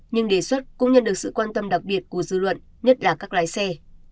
nhưng đề xuất cũng nhận được sự quan tâm đặc biệt của dư luận nhất là các lái xe